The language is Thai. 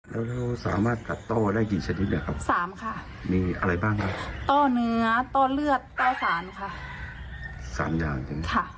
แล้วเราสามารถตัดโต้ได้กี่ชนิดเนี่ยครับ๓ค่ะมีอะไรบ้างครับโต้เนื้อโต้เลือดโต้สารค่ะ